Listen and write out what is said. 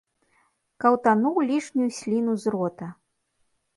Каўтануў лішнюю сліну з рота.